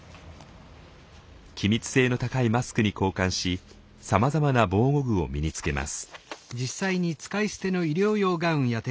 気密性の高いマスクに交換しさまざまな防護具を身につけます。